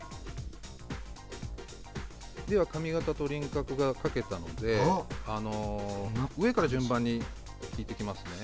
では、髪形と輪郭が描けたので上から順番に聞いていきますね。